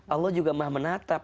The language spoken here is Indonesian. allah juga maha menatap